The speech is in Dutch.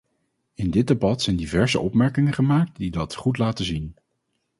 In dit debat zijn diverse opmerkingen gemaakt die dat goed laten zien.